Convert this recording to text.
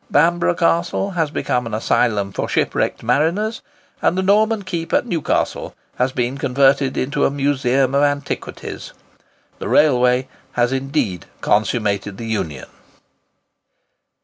Bamborough Castle has become an asylum for shipwrecked mariners, and the Norman Keep at Newcastle has been converted into a Museum of Antiquities. The railway has indeed consummated the Union.